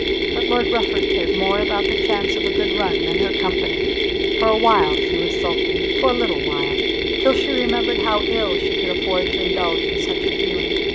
But Lord Rufford cared more about the chance of a good run than her company! For a while she was sulky; for a little while, till she remembered how ill she could afford to indulge in such a feeling.